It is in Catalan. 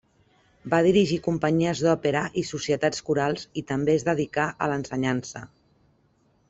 Va dirigir companyies d'òpera i societats corals i també es dedicà a l'ensenyança.